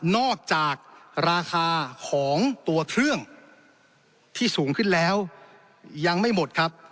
นอกจากราคาของตัวเครื่องที่สูงขึ้นแล้วยังไม่หมดครับ